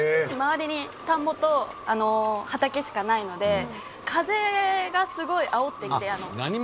周りに田んぼと畑しかないので風がすごいあおってきて。